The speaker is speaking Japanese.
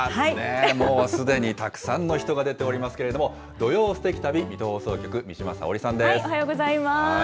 もうすでにたくさんの人が出ておりますけれども、土曜すてき旅、おはようございます。